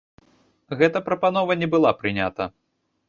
Гэта прапанова не была прынята.